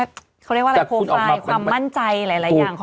พูดแบบอะไรโพลไฟล์ความมั่นใจหลายอย่างของคุณหมอ